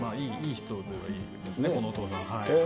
いい人では、このお父さん。